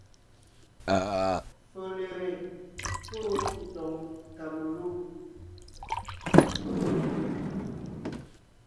Folere fô tòŋ kamelûm,